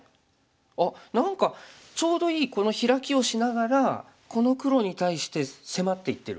あっ何かちょうどいいこのヒラキをしながらこの黒に対して迫っていってる。